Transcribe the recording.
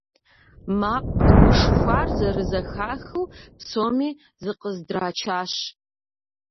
Макъ гушхуар зэрызэхахыу, псоми зыкъыздрачащ.